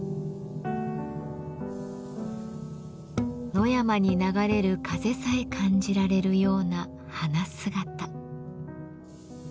野山に流れる風さえ感じられるような花姿。